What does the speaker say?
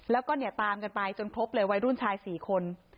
แล้วก็ตามกันไปจนพบเลยวัยรุ่นชายสี่คน